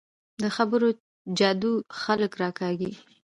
د خبرو جادو خلک راکاږي